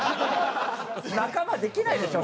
仲間できないでしょ